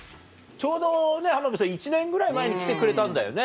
ちょうど浜辺さん１年ぐらい前に来てくれたんだよね。